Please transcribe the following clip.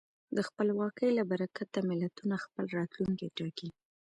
د خپلواکۍ له برکته ملتونه خپل راتلونکی ټاکي.